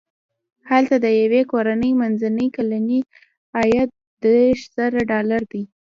هلته د یوې کورنۍ منځنی کلنی عاید دېرش زره ډالر دی.